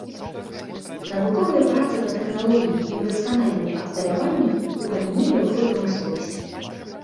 Навуковыя працы па тэхналогіі і ўдасканаленні абсталявання ў галіне лёгкай прамысловасці.